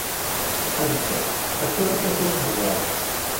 Azekka, ad turar takurt n uḍar.